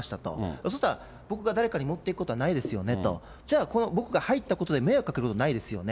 そしたら僕が誰かに持っていくことはないですよねと、じゃあ、この僕が入ったことで、迷惑かけることないですよね。